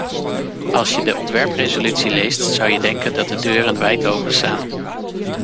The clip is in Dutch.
Als je de ontwerpresolutie leest, zou je denken dat de deuren wijd open staan.